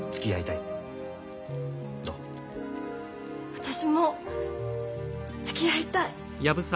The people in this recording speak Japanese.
私もつきあいたい。